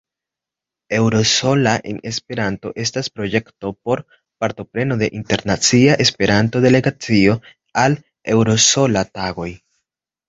Euroscola-en-Esperanto estas projekto por "partopreno de internacia Esperanto-delegacio al Euroscola-tagoj".